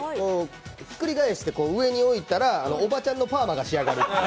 ひっくり返して上に置いたら、おばちゃんのパーマが仕上がる。